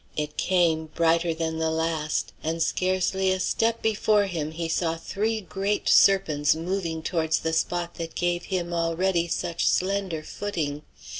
It came, brighter than the last; and scarcely a step before him he saw three great serpents moving towards the spot that gave him already such slender footing.